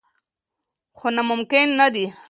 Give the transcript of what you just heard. خو ناممکن نه دي.